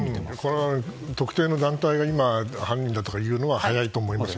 これは特定の団体が今犯人だというのは早いと思います。